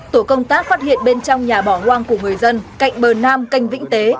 tổ công tác phát hiện bên trong nhà bỏ hoang của người dân cạnh bờ nam canh vĩnh tế